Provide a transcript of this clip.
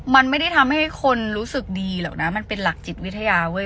มันไม่ได้ทำให้คนรู้สึกดีหรอกนะมันเป็นหลักจิตวิทยาเว้ย